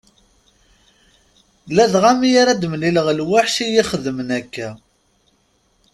Ladɣa mi ara d-mlileɣ lweḥc iyi-xedmen akka.